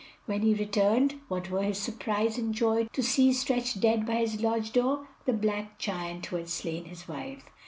When he returned, what were his surprise and joy to see stretched dead by his lodge door the black giant who had slain his wife.